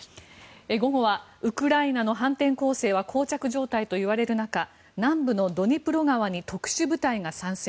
午後はウクライナの反転攻勢はこう着状態といわれる中南部のドニプロ川に特殊部隊が参戦。